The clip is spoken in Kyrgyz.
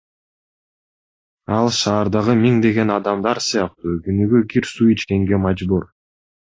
Ал шаардагы миңдеген адамдар сыяктуу күнүгө кир суу ичкенге мажбур.